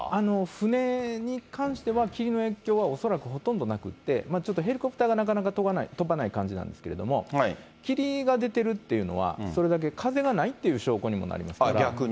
船に関しては霧の影響は恐らくほとんどなくって、ちょっとヘリコプターがなかなか飛ばない感じなんですけど、霧が出てるっていうのは、それだけ風がないという証拠にもなりますから。